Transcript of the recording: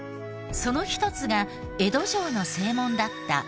その一つが江戸城の正門だった大手門。